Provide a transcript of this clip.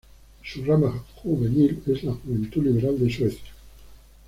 Su rama juvenil es la Juventud Liberal de Suecia.